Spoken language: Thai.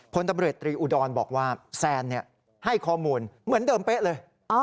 พลตำรวจตรีอุดรบอกว่าแซนให้ข้อมูลเหมือนเดิมเป๊ะเลย